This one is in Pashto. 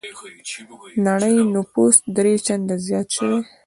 نړۍ نفوس درې چنده زيات شوی.